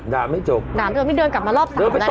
ด่าไม่จบนี่เดินกลับมารอบสามแล้วนะครับ